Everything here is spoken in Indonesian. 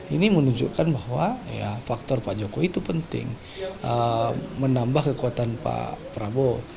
ini menunjukkan bahwa faktor pak jokowi itu penting menambah kekuatan pak prabowo